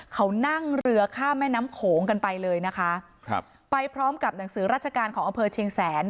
เขานั่งเรือข้ามแม่น้ำโขงกันไปเลยนะคะครับไปพร้อมกับหนังสือราชการของอำเภอเชียงแสน